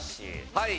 はい！